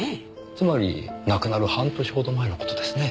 つまり亡くなる半年ほど前の事ですね。